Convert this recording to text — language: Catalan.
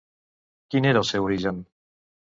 Quin era el seu origen?